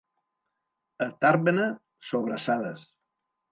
A Tàrbena, sobrassades.